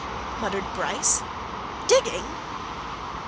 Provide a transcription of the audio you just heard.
muttered Bryce. "Digging?"'